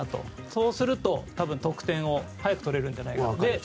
そうすると多分、得点を早く取れるんじゃないかと。